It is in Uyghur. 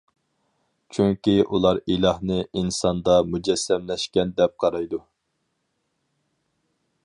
چۈنكى ئۇلار ئىلاھنى ئىنساندا مۇجەسسەملەشكەن دەپ قارايدۇ.